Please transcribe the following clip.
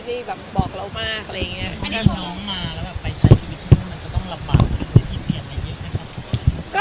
ที่น้องมาไปใช้ชีวิตที่นู่นจะต้องลำบากขึ้นในทิเศษใหม่เยี่ยมไหมครับ